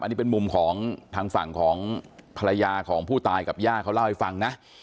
อันนี้เป็นมุมของทางฝั่งของภรรยาของผู้ตายกับย่าเขาเล่าให้ฟังนะ